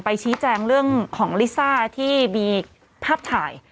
ชี้แจงเรื่องของลิซ่าที่มีภาพถ่าย